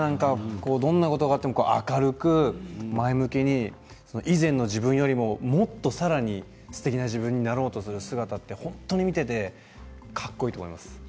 どんなことがあっても明るく前向きに以前の自分よりも、もっとさらにすてきな自分になろうとする姿って本当に見ていてかっこいいと思います。